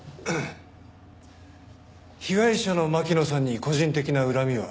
被害者の巻乃さんに個人的な恨みは？